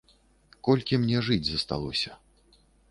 Колькі мне жыць засталося.